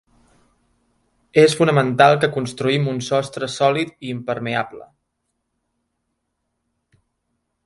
És fonamental que construïm un sostre sòlid i impermeable.